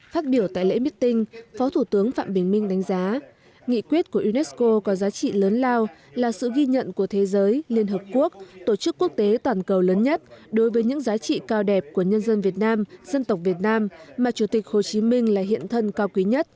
phát biểu tại lễ meeting phó thủ tướng phạm bình minh đánh giá nghị quyết của unesco có giá trị lớn lao là sự ghi nhận của thế giới liên hợp quốc tổ chức quốc tế toàn cầu lớn nhất đối với những giá trị cao đẹp của nhân dân việt nam dân tộc việt nam mà chủ tịch hồ chí minh là hiện thân cao quý nhất